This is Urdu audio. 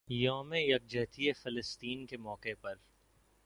یوم یکجہتی فلسطین کے موقع پر